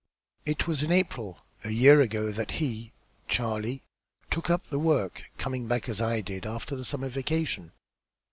It was in April, a year ago, that he Charlie took up the work, coming back, as I did, after the summer vacation.